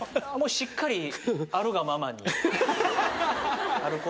しっかりあるがままに。